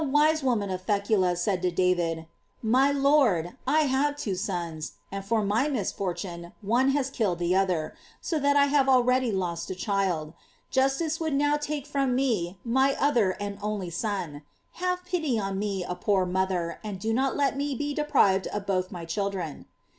wise woman of Thecua said to David: "My Lord, I had two sons, and for my misfortune one has killed the other; so that I have already lost a child; justice would now take from me my other and only son; have pity on me a poor mother, and do not let me be deprived of both my children."